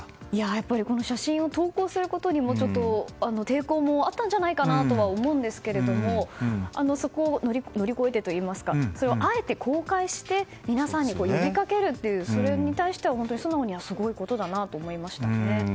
やっぱりこの写真を投稿することに抵抗もあったんじゃないかなとは思うんですけれどもそこを乗り越えてといいますかあえて公開して皆さんに呼び掛けるというそれに対しては本当に素直にすごいことだなと思いました。